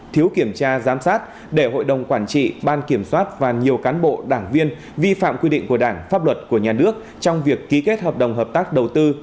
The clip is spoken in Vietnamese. thiếu kiểm tra giám sát để hội đồng quản trị ban kiểm soát và nhiều cán bộ đảng viên vi phạm quy định của đảng pháp luật của nhà nước trong việc ký kết hợp đồng hợp tác đầu tư